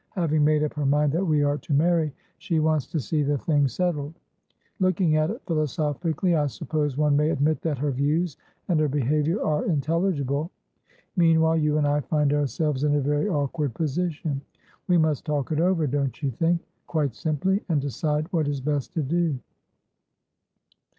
Having made up her mind that we are to marry, she wants to see the thing settled. Looking at it philosophically, I suppose one may admit that her views and her behaviour are intelligible. Meanwhile, you and I find ourselves in a very awkward position. We must talk it overdon't you think?quite simply, and decide what is best to do."